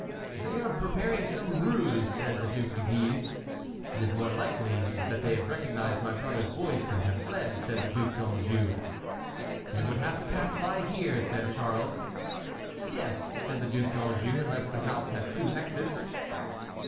"They are preparing some ruse," said the Duc de Guise. "It is more likely that they have recognized my brother's voice and have fled," said the Duc d'Anjou. "They would have to pass by here," said Charles. "Yes," said the Duc d'Anjou, "unless the house has two exits."